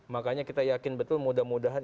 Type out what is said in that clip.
makanya kita yakin betul mudah mudahan